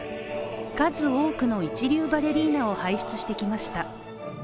数多くの一流バレリーナを輩出してきました。